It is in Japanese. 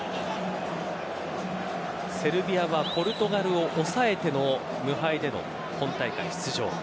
セルビアはポルトガルを抑えての無敗での本大会出場。